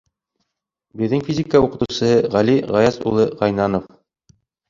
Беҙҙең физика уҡытыусыһы Ғәли Ғаяз улы Ғәйнанов.